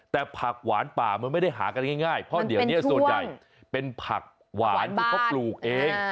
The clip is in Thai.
แต่ผักหวานป่ามันไม่ได้หากันง่ายเพราะเดี๋ยวนี้ส่วนใหญ่เป็นผักหวานที่เขาปลูกเอง